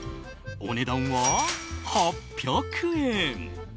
お値段は８００円。